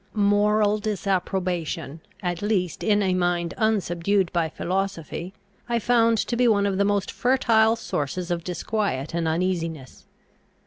Moral disapprobation, at least in a mind unsubdued by philosophy, I found to be one of the most fertile sources of disquiet and uneasiness.